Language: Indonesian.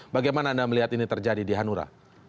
bagaimana anda melihat ini terjadi di hanura